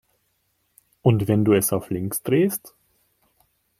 Und wenn du es auf links drehst?